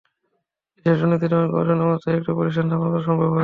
দেশে দুর্নীতি দমন কমিশনের মতো একটি প্রতিষ্ঠান স্থাপন করা সম্ভব হয়েছে।